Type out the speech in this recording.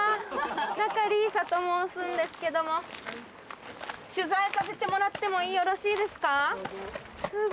仲里依紗と申すんですけども取材させてもらってもよろしいですか？